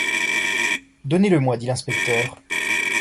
Donnez-le moi, dit l’inspecteur.